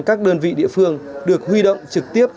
các đơn vị địa phương được huy động trực tiếp